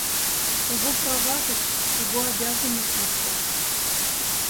Кугу права гыч кугу обязанность лектеш.